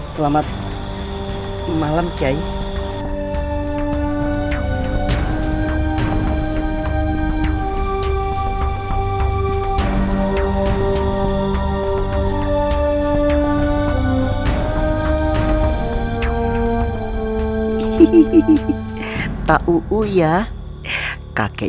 selamat malam chai